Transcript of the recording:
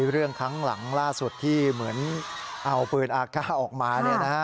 เรื่องครั้งหลังล่าสุดที่เหมือนเอาปืนอากาศออกมา